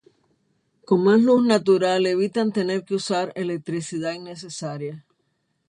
Con más luz natural, evitan tener que usar electricidad innecesaria.